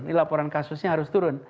ini laporan kasusnya harus turun